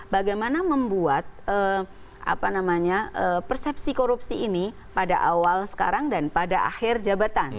bagaimana membuat persepsi korupsi ini pada awal sekarang dan pada akhir jabatan